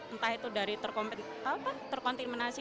entah itu dari terkontaminasi